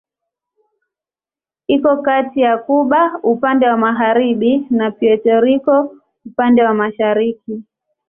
Iko kati ya Kuba upande wa magharibi na Puerto Rico upande wa mashariki.